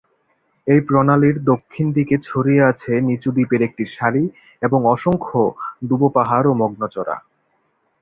এই প্রণালীর দক্ষিণ দিকে ছড়িয়ে আছে নিচু দ্বীপের একটি সারি এবং অসংখ্য ডুবোপাহাড় ও মগ্ন চড়া।